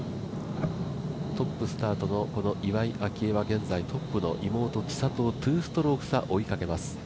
トップスタートのこの岩井明愛は現在妹・千怜を２ストローク差、追いかけます。